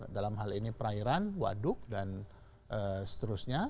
dalam hal ini perairan waduk dan seterusnya